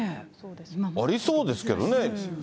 ありそうですけどね。